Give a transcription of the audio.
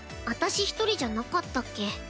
私１人じゃなかったっけ。